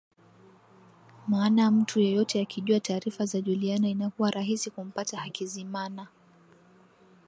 Maana mtu yeyote akijua taarifa za Juliana inakuwa rahisi kumpata Hakizimana